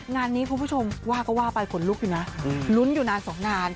งานนี้คุณผู้ชมว่าก็ว่าปลายขนลูกอยู่น่ารุ้นอยู่นานนาน